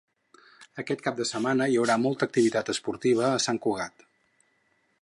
Aquest cap de setmana hi haurà molta activitat esportiva a Sant Cugat.